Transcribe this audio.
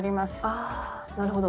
あなるほど。